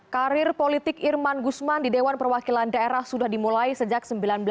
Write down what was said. karir politik irman gusman di dewan perwakilan daerah sudah dimulai sejak seribu sembilan ratus sembilan puluh